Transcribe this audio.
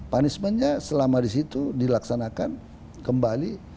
punishmentnya selama di situ dilaksanakan kembali